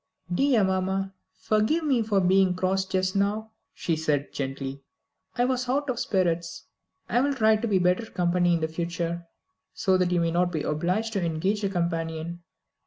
"Dear mamma, forgive me for being cross just now," she said gently; "I was out of spirits. I will try to be better company in future so that you may not be obliged to engage a companion."